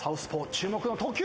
注目の投球。